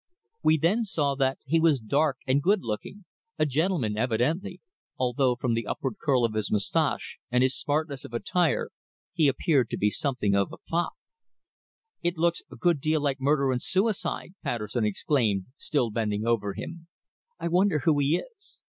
We then saw that he was dark and good looking, a gentleman evidently, although from the upward curl of his moustache and his smartness of attire he appeared to be something of a fop. "It looks a good deal like murder and suicide," Patterson exclaimed, still bending over him. "I wonder who he is?"